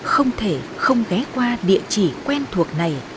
không thể không ghé qua địa chỉ quen thuộc này